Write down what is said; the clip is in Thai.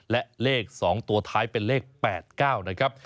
และเลข๒ตัวท้ายเป็นเลข๘๙นะครับ